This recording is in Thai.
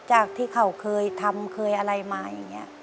จากที่เขาเคยทำเคยอะไรมาอย่างนี้